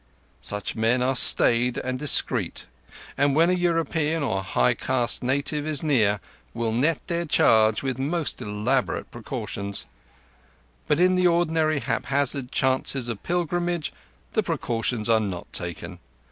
Such men are staid and discreet, and when a European or a high caste native is near will net their charge with most elaborate precautions; but in the ordinary haphazard chances of pilgrimage the precautions are not taken.